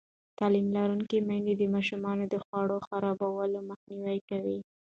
تعلیم لرونکې میندې د ماشومانو د خوړو خرابوالی مخنیوی کوي.